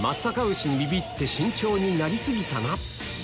牛にビビって慎重になり過ぎたな